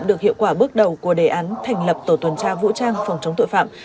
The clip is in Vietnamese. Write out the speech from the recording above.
được hiệu quả bước đầu của đề án thành lập tổ tuần tra vũ trang phòng chống tội phạm